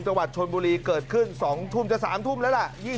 จังหวัดชนบุรีเกิดขึ้น๒ทุ่มจะ๓ทุ่มแล้วล่ะ